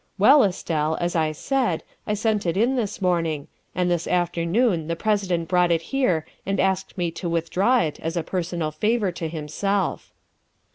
" Well, Estelle, as I said, I sent it in this morning, and this afternoon the President brought it here and asked me to withdraw it as a personal favor to himself.